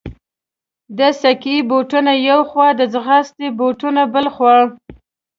د سکې بوټونه یوې خوا، د ځغاستې بوټونه بلې خوا.